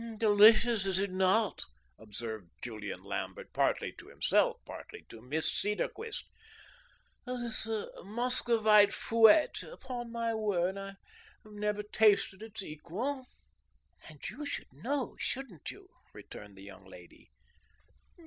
"Delicious, is it not?" observed Julian Lambert, partly to himself, partly to Miss Cedarquist. "This Moscovite fouette upon my word, I have never tasted its equal." "And you should know, shouldn't you?" returned the young lady.